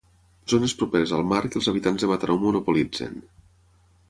Zones properes al mar que els habitants de Mataró monopolitzen.